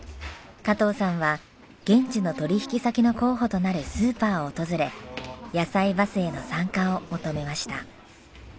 加藤さんは現地の取引先の候補となるスーパーを訪れやさいバスへの参加を求めました。